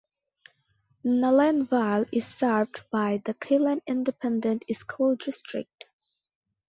Nolanville is served by the Killeen Independent School District.